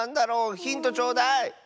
ヒントちょうだい！